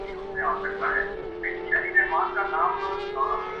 بصیرت میں بھی یہ صلاحیت ہے کہ وہ راستہ بناتی ہے۔